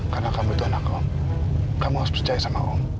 karena kamu itu anak om kamu harus percaya sama om